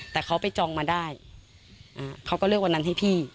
แต่เขาไปจองมาได้เขาก็เลือกวันนั้นให้พี่